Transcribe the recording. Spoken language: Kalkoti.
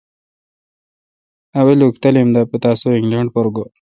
اولوک تعلیم دا پتا سو انگینڈ پر گو۔